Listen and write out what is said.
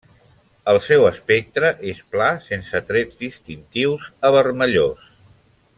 El seu espectre és pla sense trets distintius a vermellós.